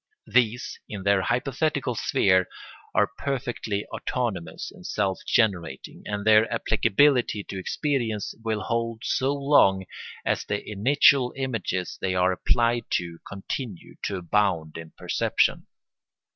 These, in their hypothetical sphere, are perfectly autonomous and self generating, and their applicability to experience will hold so long as the initial images they are applied to continue to abound in perception.